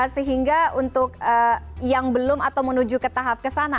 sehingga untuk yang belum atau menuju ke tahap kesana